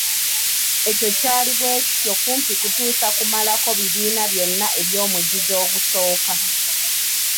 Ekyo kyali bwe kityo kumpi kutuusa kumalako bibiina byonna eby’omugigi ogusooka.